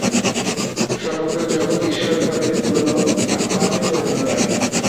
সমগ্র জগৎ ঈশ্বরভাবে পূর্ণ, পাপে পূর্ণ নয়।